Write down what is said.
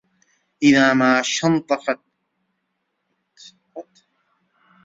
إذا ما شنطف نكهت أماتت